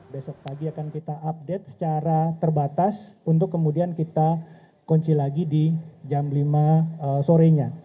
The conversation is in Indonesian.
besok pagi akan kita update secara terbatas untuk kemudian kita kunci lagi di jam lima sore nya